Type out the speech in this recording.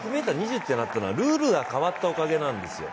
６ｍ２０となったのはルールが変わったおかげなんですよ。